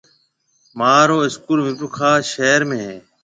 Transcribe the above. مهارو اسڪول ميرپورخاص شهر ۾ هيَ۔